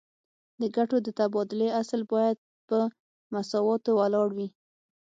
د ګټو د تبادلې اصل باید په مساواتو ولاړ وي